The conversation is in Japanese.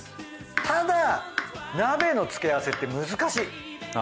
ただ鍋の付け合わせって難しい。